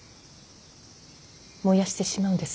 燃やしてしまうんですって。